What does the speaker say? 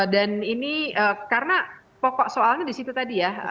dan ini karena pokok soalnya disitu tadi ya